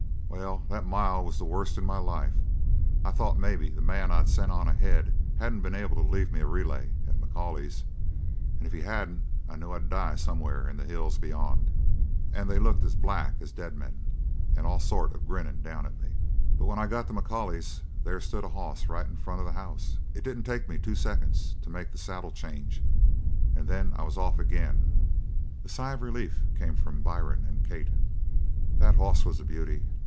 "Well, that mile was the worst in my life. I thought maybe the man I'd sent on ahead hadn't been able to leave me a relay at McCauley's, and if he hadn't I knew I'd die somewhere in the hills beyond. And they looked as black as dead men, and all sort of grinnin' down at me. "But when I got to McCauley's, there stood a hoss right in front of the house. It didn't take me two second to make the saddle change. And then I was off agin!" A sigh of relief came from Byrne and Kate. "That hoss was a beauty.